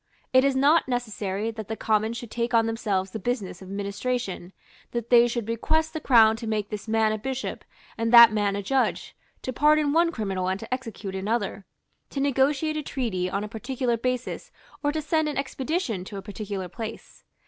It is not necessary that the Commons should take on themselves the business of administration, that they should request the Crown to make this man a bishop and that man a judge, to pardon one criminal and to execute another, to negotiate a treaty on a particular basis or to send an expedition to a particular place.